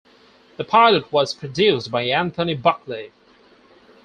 The pilot was produced by Anthony Buckley.